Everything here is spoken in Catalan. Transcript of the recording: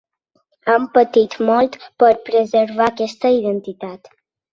Hem patit molt per preservar aquesta identitat.